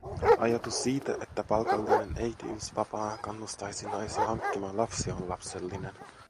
Ajatus siitä, että palkallinen äitiysvapaa kannustaisi naisia hankkimaan lapsia, on lapsellinen.